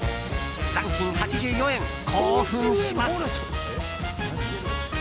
残金８４円、興奮します。